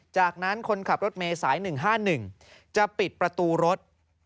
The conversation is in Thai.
จากนั้นคนขับรถเมย์สาย๑๕๑จะปิดประตูรถ